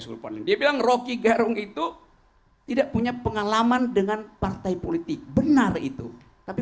sultan dia bilang rocky gerung itu tidak punya pengalaman dengan partai politik benar itu tapi